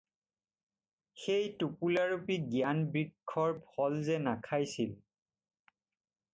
সেই টোপোলাৰূপী জ্ঞানবৃক্ষৰ ফল যে নাখাইছিল